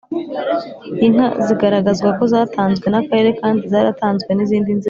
Inka zigaragazwa ko zatanzwe n akarere kandi zaratanzwe n izindi nzego